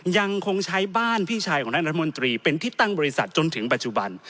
ยังคงใช้บ้านพี่ชายของท่านรัฐมนตรีเป็นที่ตั้งบริษัทจนถึงปัจจุบัน